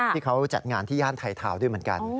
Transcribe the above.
ที่เขาจัดงานที่ย่านไทยทาวน์ด้วยเหมือนกัน